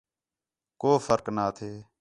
کو فرق نا تھے